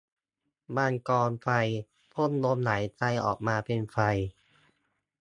มังกรไฟ พ่นลมหายใจออกมาเป็นไฟ